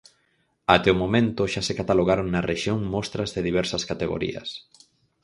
Até o momento, xa se catalogaron na rexión mostras de diversas categorías.